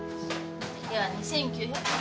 では２，９００円。